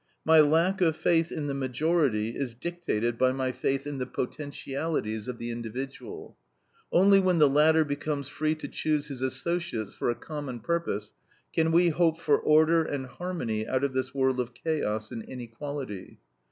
My lack of faith in the majority is dictated by my faith in the potentialities of the individual. Only when the latter becomes free to choose his associates for a common purpose, can we hope for order and harmony out of this world of chaos and inequality.